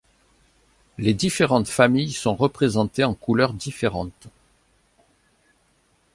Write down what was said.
Les différentes familles sont représentées en couleurs différentes.